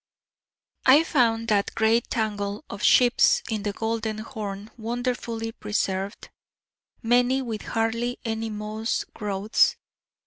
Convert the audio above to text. I found that great tangle of ships in the Golden Horn wonderfully preserved, many with hardly any moss growths.